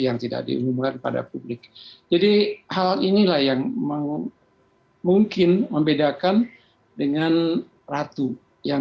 yang tidak diumumkan kepada publik jadi hal inilah yang mau mungkin membedakan dengan ratu yang